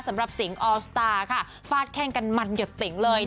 สำหรับสิงออสตาร์ค่ะฟาดแข้งกันมันหยดติ๋งเลย